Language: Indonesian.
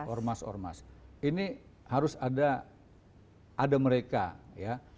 ormas ormas ini harus ada mereka ya